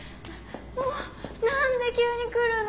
もうなんで急に来るの？